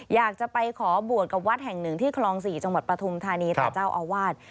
อยากจะไปขอบวชกับวัดแห่งหนึ่งที่คลอง๔จังหวัดปฐุมธานีแต่เจ้าอาวาส